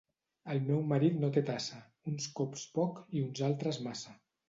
El meu marit no té tassa: uns cops poc i uns altres massa.